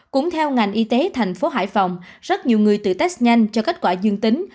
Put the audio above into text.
cũng theo ngành y tế thành phố hải phòng rất nhiều người tự test nhanh cho kết quả dương tính